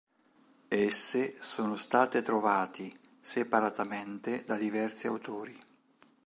Esse sono state trovati separatamente da diversi autori.